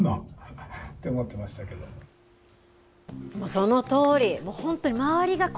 そのとおり。